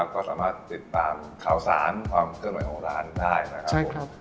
ก็สามารถติดตามข่าวสารความเคลื่อนไหวของร้านได้นะครับผม